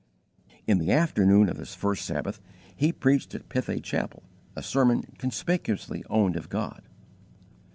In the afternoon of this first Sabbath he preached at Pithay Chapel a sermon conspicuously owned of God.